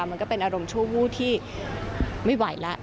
มันก็เป็นอารมณ์ชั่ววูบที่ไม่ไหวแล้ว